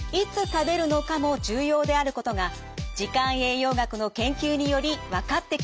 食べるのかも重要であることが時間栄養学の研究により分かってきました。